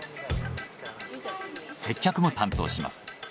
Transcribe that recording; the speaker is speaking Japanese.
接客も担当します。